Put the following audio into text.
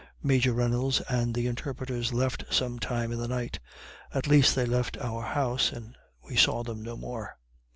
Major Reynolds and the interpreters left some time in the night; at least they left our house, and we saw them no more.